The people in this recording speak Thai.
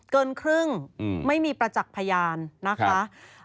เกินครึ่งไม่มีประจักษ์พยานนะคะ